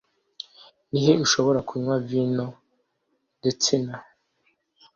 Ni he ushobora kunywa vino, Retsina?